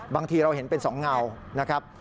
บางทีเราเห็นเป็น๒เงานะครับ